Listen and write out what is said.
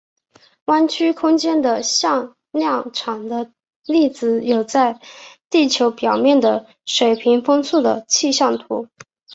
弯曲空间的向量场的例子有在地球表面的水平风速的气象图。